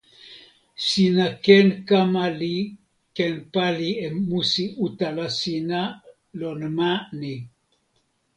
sina ken kama li ken pali e musi utala sina lon ma ni.